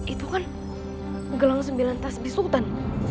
itu kan gelang sembilan tasbih sultan